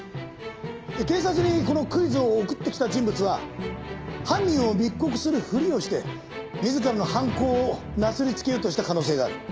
警察にこのクイズを送ってきた人物は犯人を密告するふりをして自らの犯行をなすりつけようとした可能性がある。